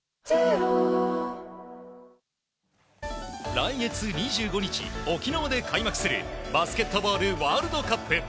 来月２５日沖縄で開幕するバスケットボールワールドカップ。